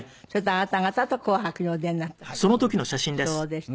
そうです。